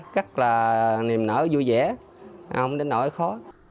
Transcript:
rất là niềm nở vui vẻ không đến nỗi khó